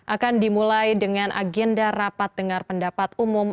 akan dimulai dengan agenda rapat dengar pendapat umum